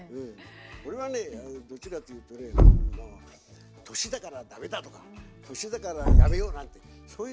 俺はねどっちかというとね年だから駄目だとか年だからやめようなんてそういうのは大嫌いなんだよね。